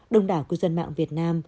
đồng đảo của dân mạng việt nam